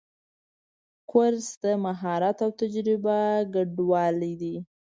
کورس د مهارت او تجربه ګډوالی دی.